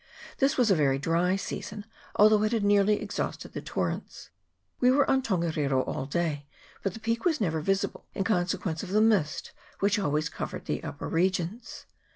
This was a very dry season, although it had nearly exhausted the torrents. We were on Tongariro all day, but the peak was never CHAP. XXIV.] OF TONGARIRO. 349 visible, in consequence of the mist which always co vered the upper regions.